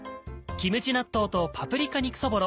「キムチ納豆」と「パプリカ肉そぼろ」